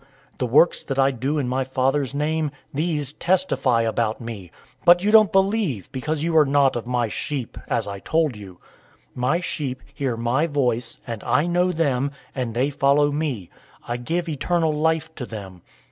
The works that I do in my Father's name, these testify about me. 010:026 But you don't believe, because you are not of my sheep, as I told you. 010:027 My sheep hear my voice, and I know them, and they follow me. 010:028 I give eternal life to them.